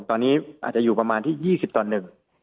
ตอนนี้อาจจะอยู่ประมาณที่๒๐ตอนหนึ่ง